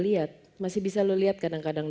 liat masih bisa lo liat kadang kadang